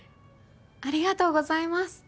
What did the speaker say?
ありがとうございます。